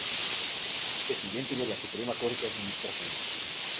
Presidente de la Suprema Corte Administrativa.